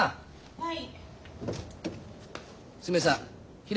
はい。